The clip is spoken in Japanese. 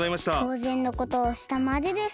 とうぜんのことをしたまでです。